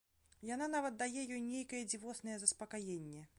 Яна нават дае ёй нейкае дзівоснае заспакаенне.